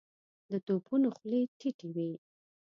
د توپونو خولې ټيټې وې.